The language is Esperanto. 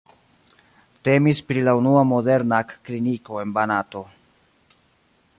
Temis pri la unua modernak kliniko en Banato.